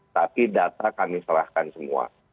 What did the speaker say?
tapi data kami serahkan semua